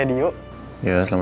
nama tanaman yangelca